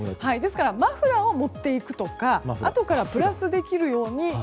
マフラーを持っていくとかあとからプラスできるように。